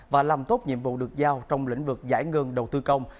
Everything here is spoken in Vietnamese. và làm tốt nhiệm vụ được giao trong lĩnh vực giải ngân đầu tư công